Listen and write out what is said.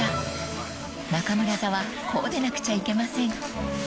［中村座はこうでなくちゃいけません］